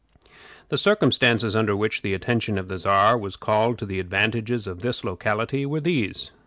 The circumstances under which the attention of the Czar was called to the advantages of this locality were these.